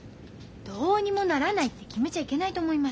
どうにもならないって決めちゃいけないと思います。